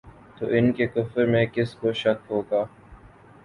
تو ان کے کفر میں کس کو شک ہوگا